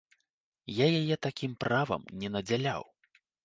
Я яе такім правам не надзяляў.